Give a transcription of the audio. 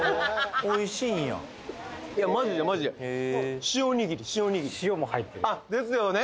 おいしいんやいやマジでマジで塩にぎり塩にぎりあっですよね